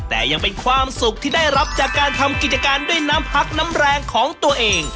แต่ยังเป็นความสุขที่ได้รับจากการทำกิจการด้วยน้ำพักน้ำแรงของตัวเอง